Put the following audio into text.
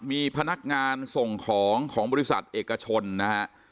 มีพนักงานส่งของของบริษัทเอกชนนะฮะ